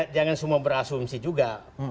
jangan semua berasumsi juga